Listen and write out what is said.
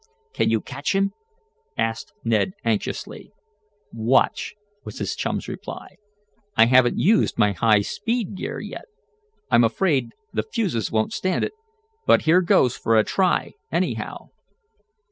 "Can you catch him?" asked Ned anxiously. "Watch," was his chum's reply. "I haven't used my high speed gear yet. I'm afraid the fuses won't stand it, but here goes for a try, anyhow."